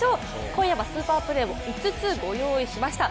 今夜はスーパープレーを５つご用意しました。